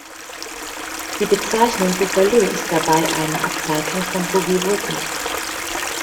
Die Bezeichnung „Boogaloo“ ist dabei eine Ableitung von „Boogie-Woogie“.